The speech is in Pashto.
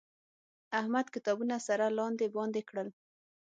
احمد کتابونه سره لاندې باندې کړل.